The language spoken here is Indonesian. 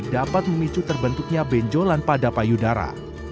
dapat memicu terbentuknya benjolan pada payudara